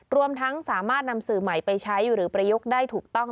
รวมทั้งสามารถนำสื่อใหม่ไปใช้หรือประยุกต์ได้ถูกต้อง